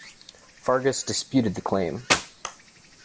Fargas disputed the claim.